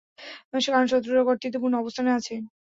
কারণ শত্রুরা কর্তৃত্বপূর্ণ অবস্থানে আছে।